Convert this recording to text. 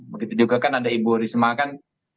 begitu juga kan ada ibu risma kan